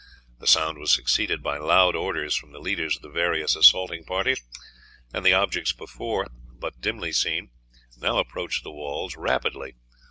The sound was succeeded by loud orders from the leaders of the various assaulting parties, and the objects before but dimly seen, now approached the walls rapidly.